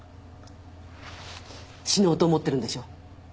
死のうと思ってるんでしょう？